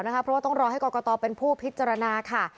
เพราะว่าต้องรอให้กรกตเป็นผู้พิจารณาค่ะ